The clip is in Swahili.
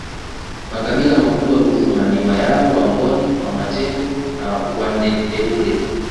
Makabila makubwa Ruvuma ni Wayao Wangoni Wamatengo na Wandendeule